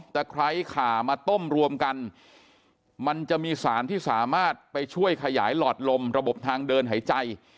ไคร้ขามาต้มรวมกันมันจะมีสารที่สามารถไปช่วยขยายหลอดลมระบบทางเดินหายใจ